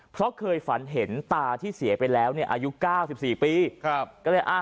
เพราะเคยฝันเห็นตาที่เสียไปแล้วเนี่ยอายุเก้าสิบสี่ปีครับก็เลยอ่ะ